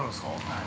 ◆はい。